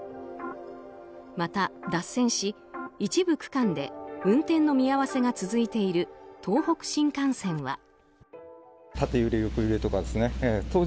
また、脱線し一部区間で運転の見合わせが続いている東北新幹線は。